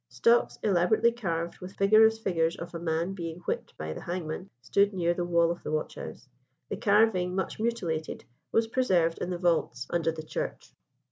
Stocks, elaborately carved with vigorous figures of a man being whipped by the hangman, stood near the wall of the watch house. The carving, much mutilated, was preserved in the vaults under the church.